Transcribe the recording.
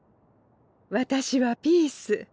私はピース。